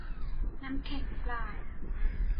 น้ำแข็งเปล่า